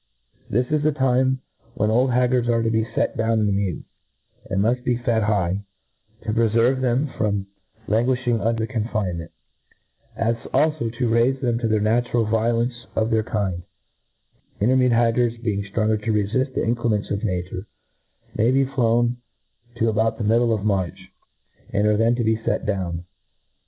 This is the time when old haggards are to bfe fet down in the mew, and muft be fed high, to preferve them from languifliing under confine ment, as alfo to raife them to their natural vio» lence for their lund, latermewcd haggards, being ftrongcr to rc fift the incitements of nature, may be flown to about the middle of March, and are then to bc fet down.